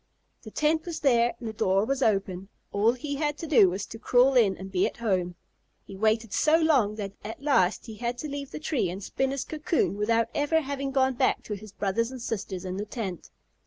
The tent was there and the door was open. All he had to do was to crawl in and be at home. He waited so long that at last he had to leave the tree and spin his cocoon without ever having gone back to his brothers and sisters in the tent.